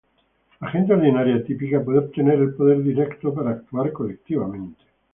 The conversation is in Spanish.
La gente ordinaria típica puede obtener el poder directo para actuar colectivamente.